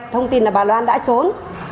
thông tin là bà loan đã trốn